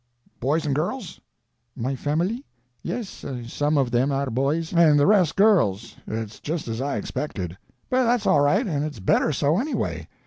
Boys and girls?" "My family? Yes, some of them are boys—" "And the rest girls. It's just as I expected. But that's all right, and it's better so, anyway.